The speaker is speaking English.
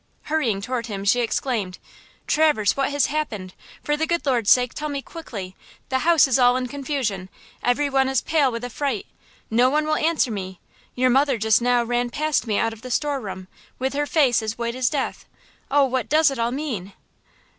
Hurrying toward him, she exclaimed: "Traverse, what has happened? For the good Lord's sake, tell me quickly–the house is all in confusion. Every one is pale with affright! No one will answer me! Your mother just now ran past me out of the store room, with her face as white as death! Oh, what does it all mean?"